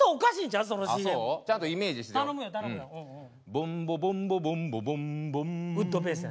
「ボンボボンボボンボボンボーン」